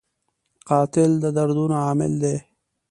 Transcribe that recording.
قاتل د دردونو عامل دی